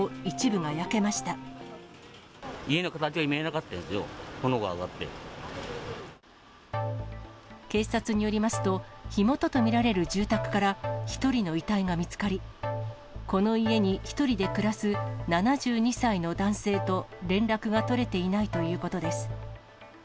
家の形が見えなかったですよ、警察によりますと、火元と見られる住宅から１人の遺体が見つかり、この家に１人で暮らす７２歳の男性と連絡が取れていないということです。